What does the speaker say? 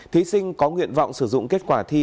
thí sinh có nguyện vọng sử dụng kết quả thi